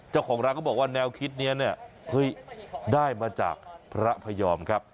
เจ้าของร้านก็บอกว่าแนวคิดนี้เนี่ยเฮ้ยได้มาจากพระพยอมครับ